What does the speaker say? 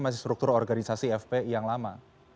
masih struktur organisasi fpi yang lama